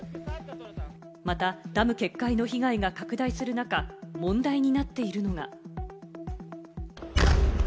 またダム決壊の被害が拡大する中、問題になっているのが。